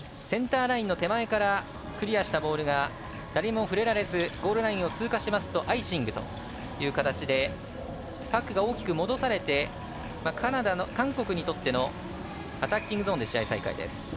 センターラインの手前からクリアしたボールが誰も触れられずゴールラインを通過しますとアイシングという形でパックが大きく戻されて韓国にとってのアタッキングゾーンで試合再開です。